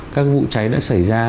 các vụ cháy đã xảy ra